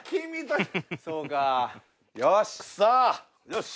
よし。